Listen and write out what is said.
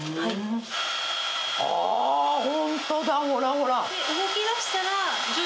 あホントだほらほら。